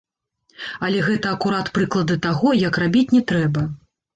Але гэта акурат прыклады таго, як рабіць не трэба.